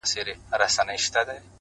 باد را الوتی، له شبِ ستان دی،